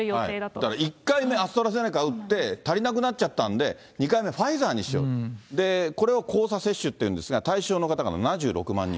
だから１回目、アストラゼネカ打って、足りなくなっちゃったんで、２回目はファイザーにしようと、これを交差接種っていうんですが、対象の方が７６万人。